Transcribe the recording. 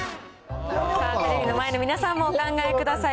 テレビの前の皆さんもお考え下さい。